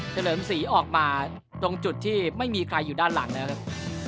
เลิมศรีออกมาตรงจุดที่ไม่มีใครอยู่ด้านหลังแล้วครับ